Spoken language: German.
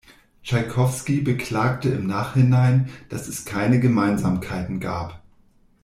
Tschaikowski beklagte im Nachhinein, dass es keine Gemeinsamkeiten gab.